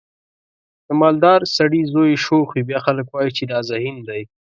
د مالدار سړي زوی شوخ وي بیا خلک وایي چې دا ذهین دی.